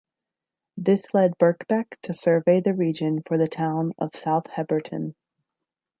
This led Birkbeck to survey the region for the town of South Heberton.